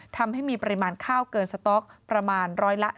ทำให้มีปริมาณข้าวเกินสต็อกประมาณ๑๐๔๓